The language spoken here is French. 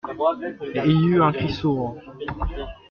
Et il y eut un cri sourd.